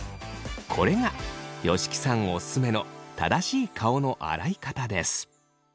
これが吉木さんオススメの正しい顔の洗い方です。